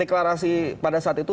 deklarasi pada saat itu